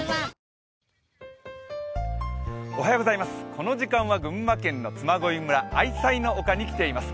この時間は群馬県の嬬恋村愛妻の丘に来ています。